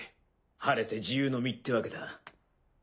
晴れて自由の身ってわけだ。